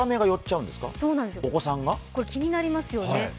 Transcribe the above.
気になりますよね。